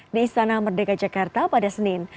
di istana merdeka jakarta pada senin